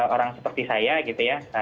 orang seperti saya gitu ya